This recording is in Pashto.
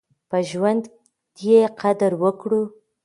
په ژوند يې قدر وکړئ.